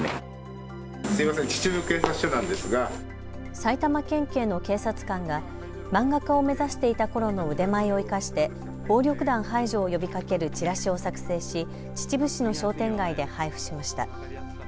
埼玉県警の警察官が漫画家を目指していたころの腕前を生かして暴力団排除を呼びかけるチラシを作成し秩父市の商店街で配布しました。